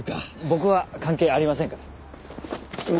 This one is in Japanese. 僕は関係ありませんから。